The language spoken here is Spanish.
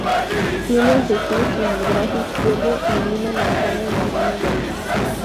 Tiene a Jesús en el brazo izquierdo y una manzana en la mano derecha.